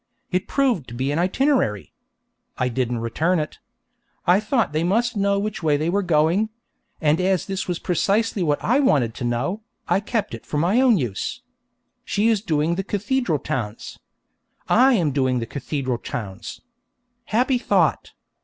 It proved to be an itinerary. I didn't return it. I thought they must know which way they were going; and as this was precisely what I wanted to know, I kept it for my own use. She is doing the cathedral towns. I am doing the cathedral towns. Happy thought!